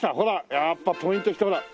やっぱポイント来たほら。